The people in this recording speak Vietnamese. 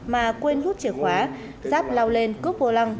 mà quên hút chìa khóa giáp lao lên cướp vô lăng